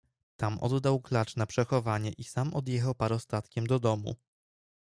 "Tam oddał klacz na przechowanie i sam odjechał parostatkiem do domu."